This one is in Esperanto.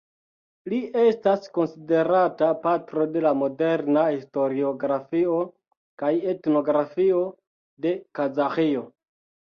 Li estas konsiderata patro de la moderna historiografio kaj etnografio de Kazaĥio.